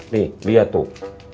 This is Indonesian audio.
nih lihat tuh